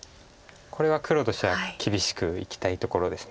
これは黒としては厳しくいきたいところです。